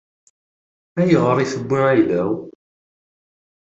Ayɣer i tewwi ayla-w?